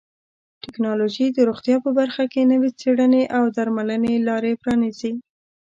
ټکنالوژي د روغتیا په برخه کې نوې څیړنې او درملنې لارې پرانیزي.